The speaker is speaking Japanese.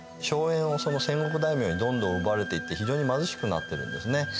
荘園を戦国大名にどんどん奪われていって非常に貧しくなってるんですね。